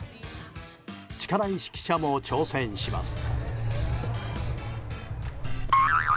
力石記者も挑戦します。